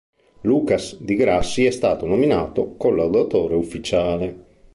Lucas Di Grassi è stato nominato collaudatore ufficiale.